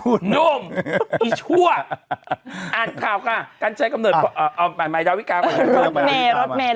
นุ่มนุ่มไอ้ชั่วอ่านข่าวค่ะการใช้กำเนิดเอาเอาไหมไหมดาวิการอดแมนรอดแมน